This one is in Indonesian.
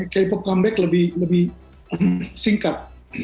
k pop comeback lebih singkat